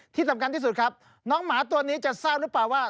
ที่สำคัญที่สุดครับน้องหมาตัวนี้จะทราบนึกป่าวว่า